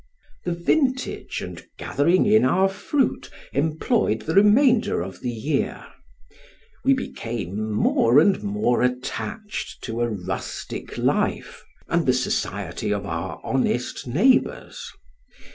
The vintage and gathering in our fruit employed the remainder of the year; we became more and more attached to a rustic life, and the society of our honest neighbors.